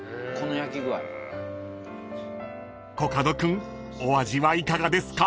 ［コカド君お味はいかがですか？］